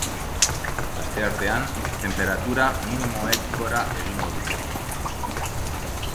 Asteartean tenperatura minimoek gora egingo dute.